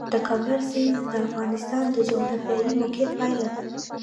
د کابل سیند د افغانستان د جغرافیایي موقیعت پایله ده.